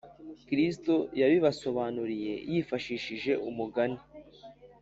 kristo yabibasobanuriye yifashishije umugani